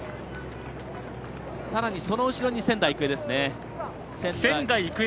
さらに、その後ろに仙台育英。